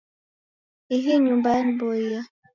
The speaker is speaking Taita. Ihi nyumba yaniboia.